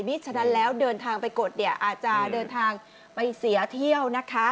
ฉะนั้นแล้วเดินทางไปกดเนี่ยอาจจะเดินทางไปเสียเที่ยวนะคะ